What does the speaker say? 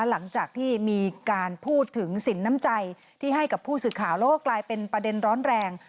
หลังจากที่มีการพูดถึงสินน้ำใจที่ให้กับผู้สื่อข่าวแล้วก็กลายเป็นประเด็นร้อนแรง